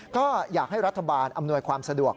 ก็อยากให้รัฐบาลอำนวยความสะดวก